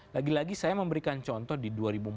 lagi lagi saya memberikan contoh di dua ribu empat belas